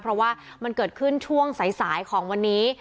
เพราะว่ามันเกิดขึ้นช่วงสายของวันนี้